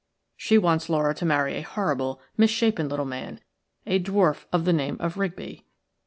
She wants Laura to marry a horrible, misshapen little man – a dwarf of the name of Rigby.